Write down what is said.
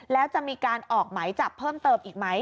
แล้วจะมีการออกหมายจับเพิ่มเติมอีกไหม